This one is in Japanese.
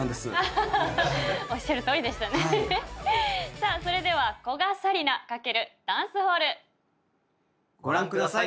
さあそれでは古賀紗理那×『ダンスホール』ご覧ください。